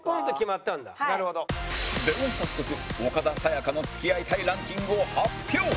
では早速岡田紗佳の付き合いたいランキングを発表